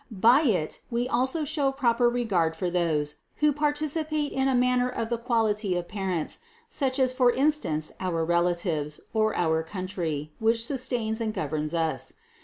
By it we also show proper regard for those, who partici pate in a manner of the quality of parents, such as for in stance our relatives, or our country, which sustains and governs us.